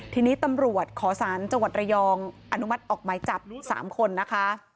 ทีนี้ตำรวจขอสารจังหวัดระยองอนุมัติออกหมายจับ๓คนนะคะ